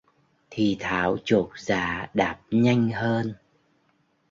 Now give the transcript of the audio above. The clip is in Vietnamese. thì Thảo chột dạ đạp nhanh hơn